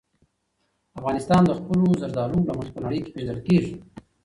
افغانستان د خپلو زردالو له مخې په نړۍ کې پېژندل کېږي.